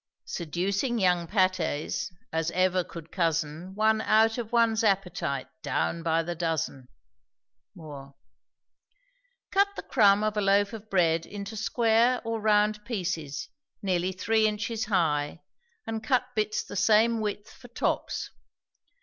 Seducing young pâtés, as ever could cozen One out of one's appetite, down by the dozen. MOORE. Cut the crumb of a loaf of bread into square or round pieces, nearly three inches high, and cut bits the same width for tops.